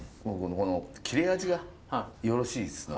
この切れ味がよろしいですな。